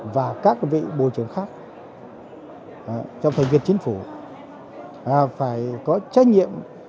và các vị bộ trưởng khác trong thành viên chính phủ phải có trách nhiệm